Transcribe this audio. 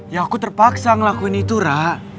ya aku terpaksa ngelakuin itu ra